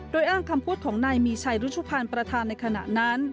โดยอ้างคำพูดของนายมีชัยรุชุพันธ์ประธานในขณะนั้น